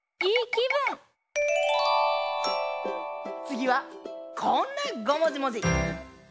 つぎはこんなごもじもじ。